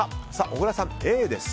小倉さん、Ａです。